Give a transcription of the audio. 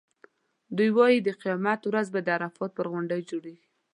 دوی وایي د قیامت ورځ به د عرفات پر غونډۍ جوړېږي.